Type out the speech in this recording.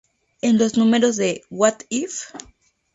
En los números de "What If?